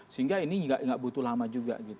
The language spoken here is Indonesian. sehingga ini nggak butuh lama juga